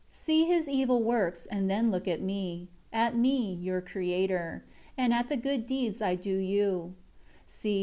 See his evil works and then look at Me; at Me, your Creator, and at the good deeds I do you.